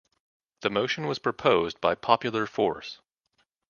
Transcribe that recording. The motion was proposed by Popular Force.